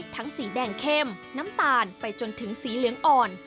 สีแดงเข้มน้ำตาลไปจนถึงสีเหลืองอ่อน